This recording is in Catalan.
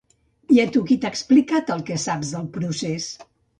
I a tu qui t’ha explicat el que saps del procés?